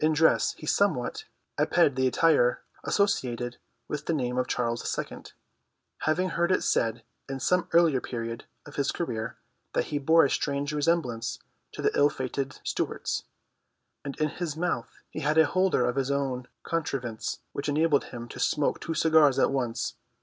In dress he somewhat aped the attire associated with the name of Charles II, having heard it said in some earlier period of his career that he bore a strange resemblance to the ill fated Stuarts; and in his mouth he had a holder of his own contrivance which enabled him to smoke two cigars at once.